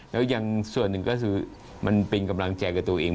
แล้วยังส่วนหนึ่งก็คือมันเป็นกำลังใจกับตัวเอง